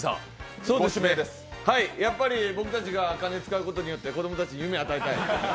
やっぱり僕たちが金使うことによって子供たちに夢を与えたい。